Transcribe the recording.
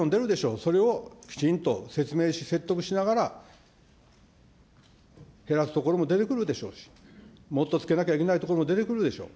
それをきちんと説明し説得しながら、減らすところも出てくるでしょうし、もっとつけなければいけないところも出てくるでしょう。